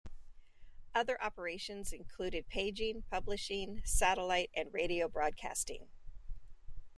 Other operations included paging, publishing, satellite, and radio broadcasting.